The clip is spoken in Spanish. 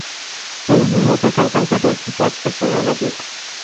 Del mismo modo, el cantante Reggie Watts versionó la pista.